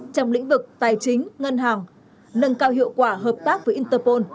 trong lĩnh vực tài chính ngân hàng nâng cao hiệu quả hợp tác với interpol